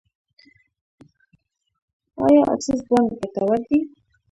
آیا اکسس بانک ګټور دی؟